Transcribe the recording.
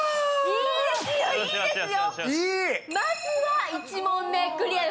いいですよ、いいですよ。